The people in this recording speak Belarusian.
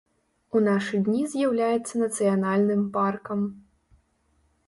У нашы дні з'яўляецца нацыянальным паркам.